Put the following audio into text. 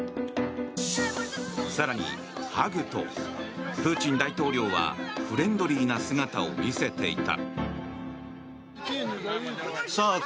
更にハグと、プーチン大統領はフレンドリーな姿を見せていた。